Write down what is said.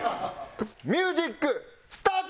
ミュージックスタート！